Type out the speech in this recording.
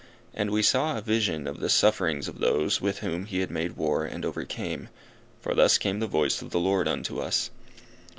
And we saw a vision of the sufferings of those with whom he made war and overcame, for thus came the voice of the Lord unto us.